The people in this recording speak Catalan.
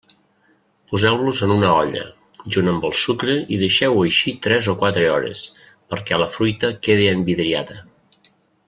Poseu-los en una olla, junt amb el sucre i deixeu-ho així tres o quatre hores, perquè la fruita quedi envidriada.